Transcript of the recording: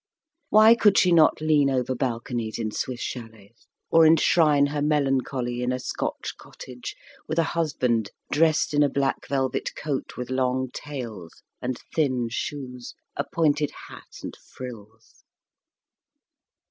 Why could not she lean over balconies in Swiss chalets, or enshrine her melancholy in a Scotch cottage, with a husband dressed in a black velvet coat with long tails, and thin shoes, a pointed hat and frills?